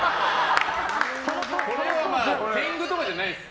これは天狗とかじゃないです。